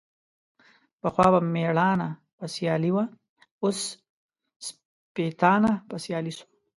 پخوا به ميړانه په سيالي وه ، اوس سپيتانه په سيالي سوه.